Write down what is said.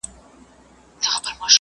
ته ولي مرسته کوې!.